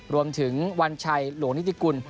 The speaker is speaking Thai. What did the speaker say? รวมถึงวันชัยหลวงฤทธิกุล